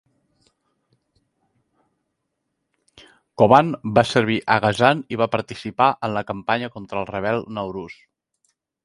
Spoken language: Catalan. Coban va servir a Ghazan i va participar en la campanya contra el rebel Nauruz.